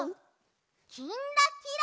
「きんらきら」。